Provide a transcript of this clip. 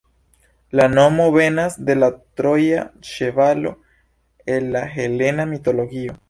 La nomo venas de la troja ĉevalo el la helena mitologio.